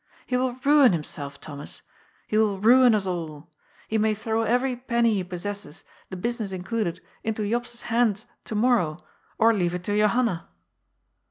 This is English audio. He will ruin himself, Thomas. He will ruin us all. He may throw every penny he possesses, the business included, into Jops's hand to morrow, or leave it to Johanna."